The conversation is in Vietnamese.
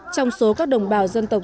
trong số các đồng bào dân tộc